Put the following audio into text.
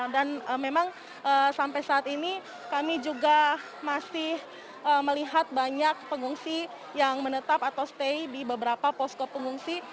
dan memang sampai saat ini kami juga masih melihat banyak pengungsi yang menetap atau stay di beberapa posko pengungsi